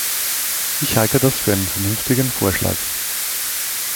Ich halte das für einen vernünftigen Vorschlag.